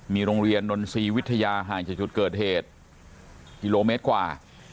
มีโรงเรียนนนทรีย์วิทยาห่างจากจุดเกิดเหตุกิโลเมตรกว่า